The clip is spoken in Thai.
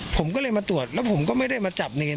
ผมก็เลยมาตรวจแล้วผมก็ไม่ได้มาจับเนร